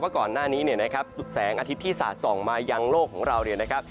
ก่อนหน้านี้เนี่ยนะครับแสงอาทิตย์ที่สะส่องมายังโลกของเราเนี่ยนะครับ